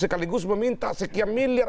sekaligus meminta sekian miliar